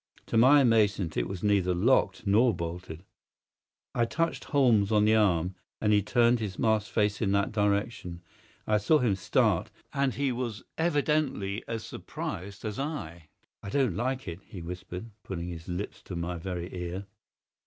To my amazement it was neither locked nor bolted! I touched Holmes on the arm, and he turned his masked face in that direction. I saw him start, and he was evidently as surprised as I. "I don't like it," he whispered, putting his lips to my very ear.